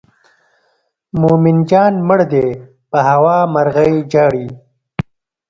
مومن جان مړ دی په هوا مرغۍ ژاړي.